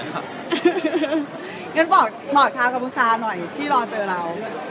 อย่างนั้นบอกหนอชาวกำลังชาวหน่อยที่รอเจอเรา